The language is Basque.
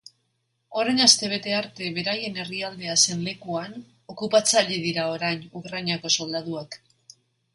Orain astebete arte beraien herrialdea zen lekuan okupatzaile dira orain ukrainako soldaduak.